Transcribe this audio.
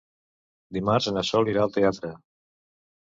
Dimarts na Sol irà al teatre.